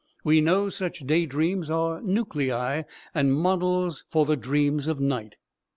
We know such day dreams are nuclei and models for the dreams of night.